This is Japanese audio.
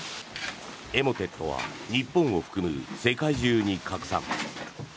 エモテットは日本を含む世界中に拡散。